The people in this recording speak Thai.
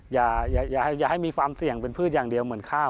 อย่าให้มีความเสี่ยงเป็นพืชอย่างเดียวเหมือนข้าว